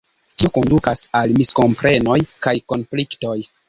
Tio kondukas al miskomprenoj kaj konfliktoj.